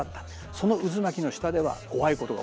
その渦巻きの下では怖いことが起こってる。